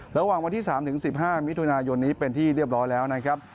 ระหว่างวันที่๓๑๕มิถุนายนนี้เป็นที่เรียบร้อยแล้วนะครับ